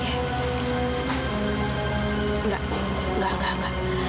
enggak enggak enggak